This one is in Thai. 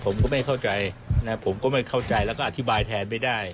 ผมก็ไม่เข้าใจนะผมก็ไม่เข้าใจแล้วก็อธิบายแทนไม่ได้